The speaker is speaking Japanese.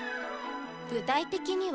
具体的には？